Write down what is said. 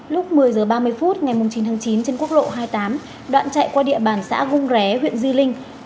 lúc một mươi h ba mươi phút ngày chín tháng chín trên quốc lộ hai mươi tám đoạn chạy qua địa bàn xã vung ré huyện di linh